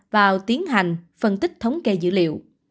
và tiến hành phân tích thống kê dữ liệu